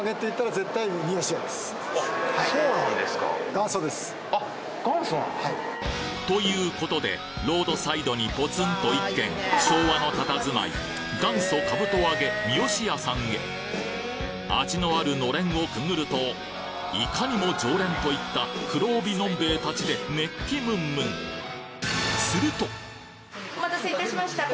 あ元祖なんですか。ということでロードサイドにポツンと１軒昭和の佇まい元祖かぶと揚げみよしやさんへ味のあるのれんをくぐるといかにも常連といった黒帯のんべえ達で熱気ムンムンお待たせ致しました。